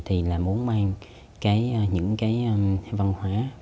thì là muốn mang những cái văn hóa